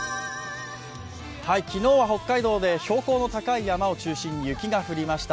昨日は北海道で標高の高い山を中心に雪が降りました。